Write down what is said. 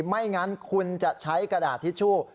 ไม่งั้นคุณจะใช้กระดาษทิชชู่